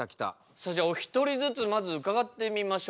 それじゃあお一人ずつまず伺ってみましょう。